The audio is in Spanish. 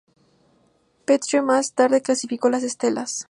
Petrie más tarde clasificó las estelas.